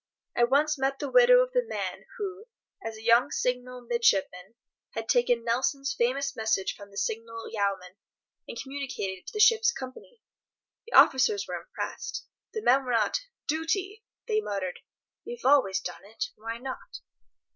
I once met the widow of the man who, as a young signal midshipman, had taken Nelson's famous message from the Signal Yeoman and communicated it to the ship's company. The officers were impressed. The men were not. "Duty!" they muttered. "We've always done it. Why not?"